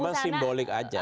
memang simbolik saja